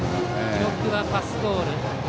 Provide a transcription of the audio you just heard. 記録はパスボール。